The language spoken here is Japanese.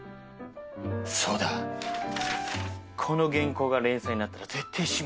そうだこの原稿が連載になったら絶対指名してみせる！